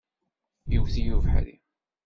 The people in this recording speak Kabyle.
Iwet-iyi ubeḥri.